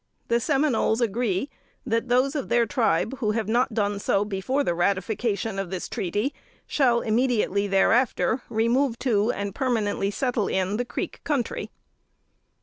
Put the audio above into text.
The Seminoles agree that those of their tribe who have not done so before the ratification of this treaty, shall immediately thereafter remove to, and permanently settle in, the Creek Country."